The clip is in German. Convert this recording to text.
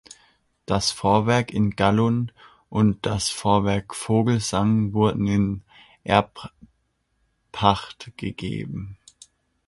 Das Vorwerk in Gallun und das Vorwerk Vogelsang wurden in Erbpacht gegeben.